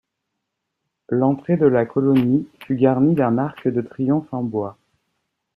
L'entrée de la colonie fut garnie d'un arc de triomphe en bois.